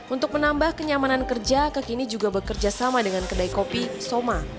untuk menambah kenyamanan kerja kekini juga bekerja sama dengan kedai kopi soma